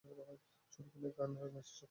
ছোটোবেলায় গান আর নাচের শখ ছিল।